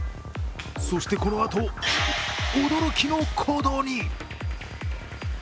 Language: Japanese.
そして、このあと驚きの行動に。